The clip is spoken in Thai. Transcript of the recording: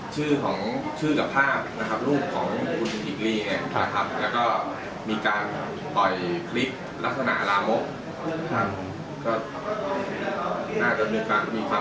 คือต้องไปรีปอร์ตทั้งหมดเลยเหรอคะ